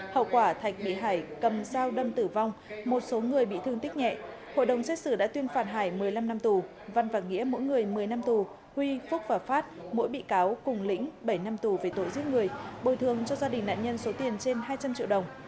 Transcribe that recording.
hậu quả thạch bị hải cầm dao đâm tử vong một số người bị thương tích nhẹ hội đồng xét xử đã tuyên phạt hải một mươi năm năm tù văn và nghĩa mỗi người một mươi năm tù huy phúc và phát mỗi bị cáo cùng lĩnh bảy năm tù về tội giết người bồi thương cho gia đình nạn nhân số tiền trên hai trăm linh triệu đồng